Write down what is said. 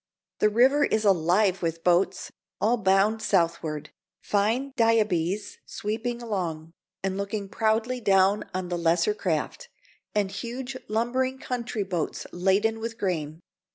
The river is alive with boats, all bound southward, fine diahbeehs sweeping along, and looking proudly down on the lesser craft, and huge lumbering country boats laden with grain.